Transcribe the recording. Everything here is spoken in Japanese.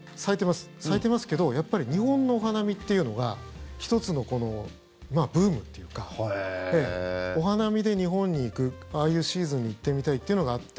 咲いてますけど、やっぱり日本のお花見っていうのが１つのブームっていうかお花見で日本に行くああいうシーズンに行ってみたいっていうのがあって。